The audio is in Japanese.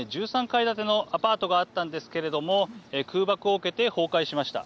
１３階建てのアパートがあったんですけれども空爆を受けて崩壊しました。